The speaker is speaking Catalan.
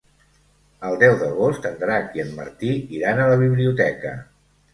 El deu d'agost en Drac i en Martí iran a la biblioteca.